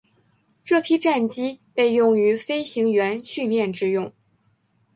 这批战机被用于飞行员训练之用。